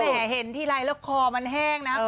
เห็นทีไรแล้วคอมันแห้งนะ